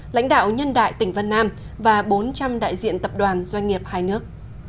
lãnh đạo nhân đại tỉnh vân nam và bốn trăm linh đại diện tập đoàn doanh nghiệp hai nước